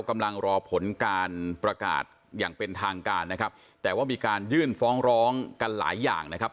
กำลังรอผลการประกาศอย่างเป็นทางการนะครับแต่ว่ามีการยื่นฟ้องร้องกันหลายอย่างนะครับ